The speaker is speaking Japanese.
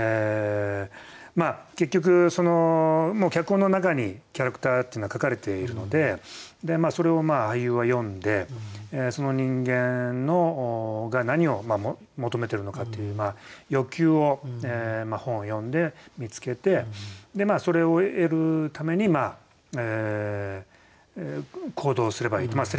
結局もう脚本の中にキャラクターっていうのは書かれているのでそれを俳優は読んでその人間が何を求めてるのかっていう欲求を本を読んで見つけてそれを得るために行動すればいいと。